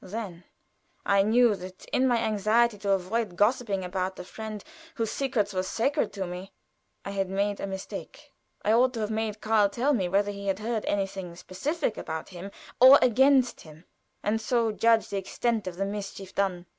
Then I knew that in my anxiety to avoid gossiping about the friend whose secrets were sacred to me, I had made a mistake. I ought to have made Karl tell me whether he had heard anything specific about him or against him, and so judge the extent of the mischief done.